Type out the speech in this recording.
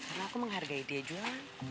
karena aku menghargai dia juga